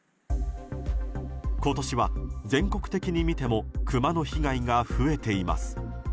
今年は全国的に見てもクマの被害が増えています。